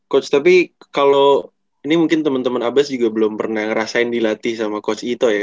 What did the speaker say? coach tapi kalau ini mungkin teman teman abbas juga belum pernah ngerasain dilatih sama coach ito ya